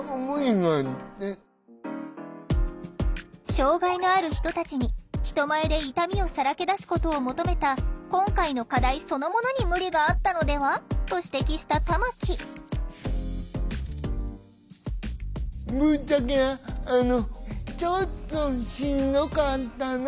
障害のある人たちに人前で痛みをさらけ出すことを求めた今回の課題そのものに無理があったのでは？と指摘した玉木ぶっちゃけどうぞ。